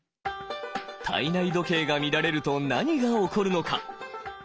体内時計が乱れると何が起こるのか。